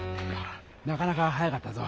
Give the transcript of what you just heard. なかなか速かったぞ。